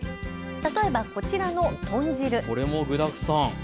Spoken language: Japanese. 例えばこちらのとん汁。